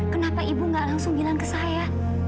kenapa ibu gak langsung bilang ke saya